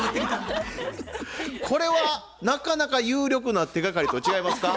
これはなかなか有力な手がかりと違いますか？